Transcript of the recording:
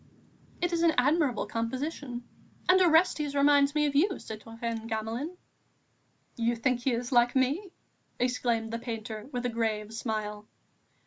"It is an admirable composition.... And Orestes reminds me of you, citoyen Gamelin." "You think he is like me?" exclaimed the painter, with a grave smile.